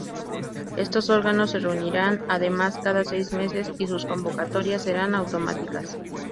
Estos órganos se reunirían además cada seis meses y sus convocatorias serían "automáticas".